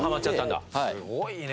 すごいね。